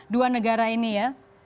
dua negara ini ya